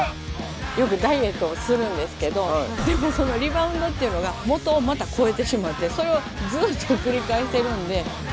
よくダイエットをするんですけどでもそのリバウンドっていうのが元をまた超えてしまってそれをずっと繰り返してるんで。